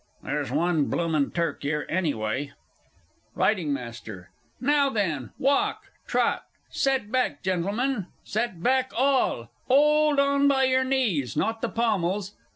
"There's one bloomin' Turk 'ere, anyway!" R. M. Now then Walk!... Trot! Set back, Gentlemen, set back all 'old on by your knees, not the pommels.